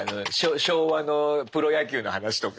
昭和のプロ野球の話とか。